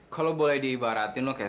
kamu bisa belajar komunikasi